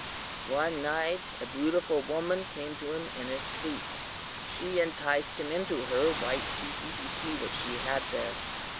"One night a beautiful woman came to him in his sleep. She enticed him into her white teepee to see what she had there.